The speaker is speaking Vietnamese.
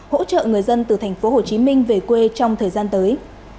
hỗ trợ người dân từ tp hcm về quê trong thời gian tới